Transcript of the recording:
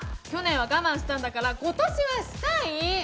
去年は我慢したんだからことしはしたい！